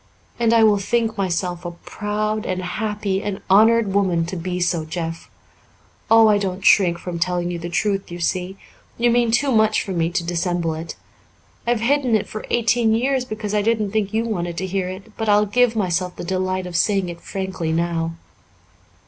"And I will think myself a proud and happy and honoured woman to be so, Jeff. Oh, I don't shrink from telling you the truth, you see. You mean too much to me for me to dissemble it. I've hidden it for eighteen years because I didn't think you wanted to hear it, but I'll give myself the delight of saying it frankly now."